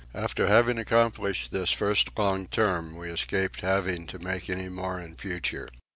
After having accomplished this first long turn, we escaped having to make any more in future.